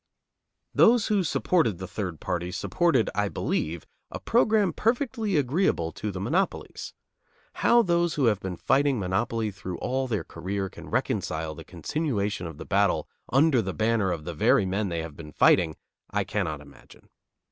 Those who supported the third party supported, I believe, a program perfectly agreeable to the monopolies. How those who have been fighting monopoly through all their career can reconcile the continuation of the battle under the banner of the very men they have been fighting, I cannot imagine.